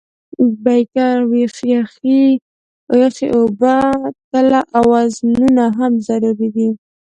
بیکر، یخې اوبه، تله او وزنونه هم ضروري دي.